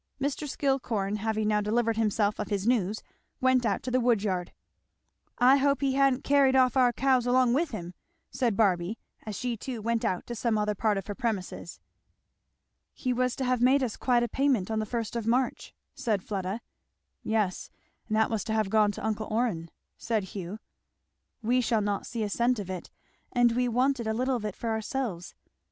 Mr. Skillcorn having now delivered himself of his news went out to the woodyard. "I hope he ha'n't carried off our cows along with him," said Barby, as she too went out to some other part of her premises. "He was to have made us quite a payment on the first of March," said Fleda. "Yes, and that was to have gone to uncle Orrin," said Hugh. "We shall not see a cent of it. And we wanted a little of it for ourselves.